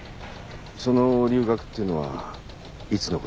その留学っていうのはいつのことですか？